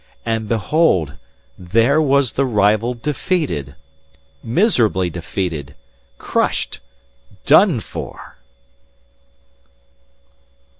And, behold, there was the rival defeated! Miserably defeated crushed done for!